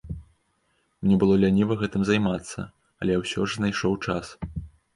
Мне было ляніва гэтым займацца, але я ўсё ж знайшоў час.